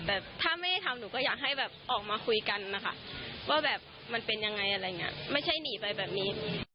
แต่ถ้าไม่ได้ทำหนูก็อยากให้แบบออกมาคุยกันนะคะว่าแบบมันเป็นยังไงอะไรอย่างนี้ไม่ใช่หนีไปแบบนี้